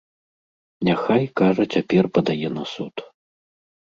Няхай, кажа, цяпер падае на суд.